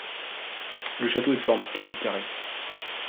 Le château est de forme quasi carrée.